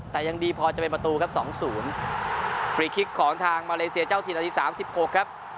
แต่ยังดีพอจะเป็นประตูครับ๒๐ฟรีคลิกของทางมาเลเซียเจ้าถิ่นอันที่๓๖ครับ